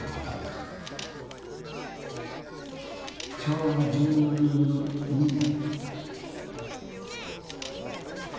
昭和１２年。